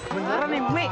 beneran nih mami